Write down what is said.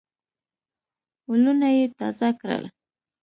ولونه یې تازه کړل.